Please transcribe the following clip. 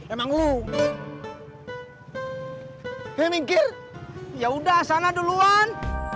emang lo mil inspect ya udah sana duluan